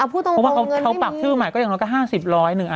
เพราะว่าเขาปักชุดใหม่ก็อย่างน้อยก็๕๐๑๐๐หนึ่งอะ